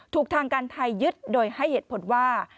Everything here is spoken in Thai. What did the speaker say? ถูกทางการไทยยึดโดยให้เหตุผลว่า